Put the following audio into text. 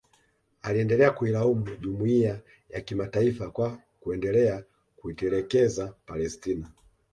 Aliendelea kuilaumu Jumuiya ya kimataifa kwa kuendelea kuitelekeza Palestina